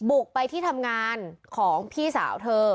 บุกไปที่ทำงานของพี่สาวเธอ